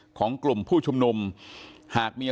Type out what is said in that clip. สวัสดีคุณผู้ชมครับสวัสดีคุณผู้ชมครับ